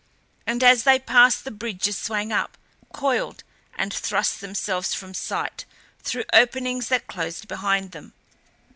And as they passed the bridges swung up, coiled and thrust themselves from sight through openings that closed behind them.